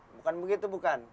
bukan begitu bukan